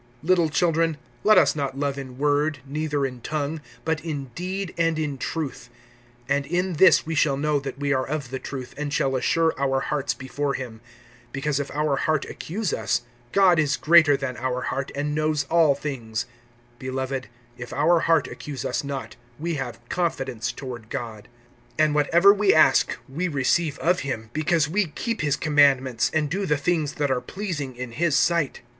(18)Little children, let us not love in word, neither in tongue; but in deed and in truth. (19)And in this we shall know that we are of the truth, and shall assure our hearts before him. (20)Because if our heart accuse us, God is greater than our heart, and knows all things[3:20]. (21)Beloved, if our heart accuse us not, we have confidence toward God. (22)And whatever we ask, we receive of him, because we keep his commandments, and do the things that are pleasing in his sight.